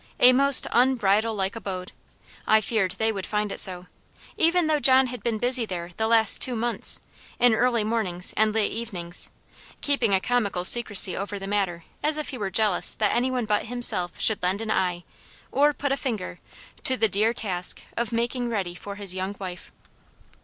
A most un bridal like abode. I feared they would find it so, even though John had been busy there the last two months, in early mornings and late evenings, keeping a comical secrecy over the matter as if he were jealous that any one but himself should lend an eye, or put a finger, to the dear task of making ready for his young wife.